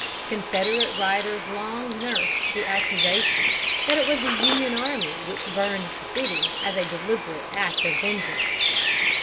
Confederate writers long nursed the accusation that it was the Union army which burned the city as a deliberate act of vengeance.